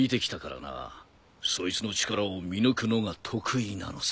そいつの力を見抜くのが得意なのさ。